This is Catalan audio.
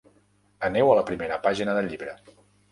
Aneu a la primera pàgina del llibre.